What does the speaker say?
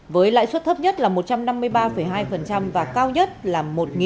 với lãi suất thấp nhất là một trăm năm mươi ba hai và cao nhất là một hai trăm tám mươi chín sáu mươi bảy